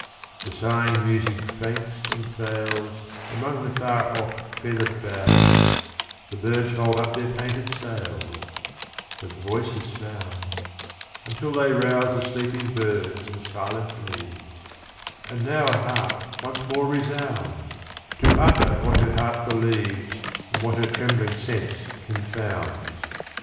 The sighing music faints and fails Among the far off feathered boughs, The birds fold up their painted sails ; But voices sound, until they rouse The sleeping birds and silent leaves ; And now a harp once more resounds, To utter what her heart believes And what her trembling sense confounds.